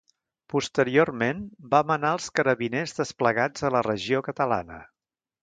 Posteriorment, va manar els carabiners desplegats a la regió catalana.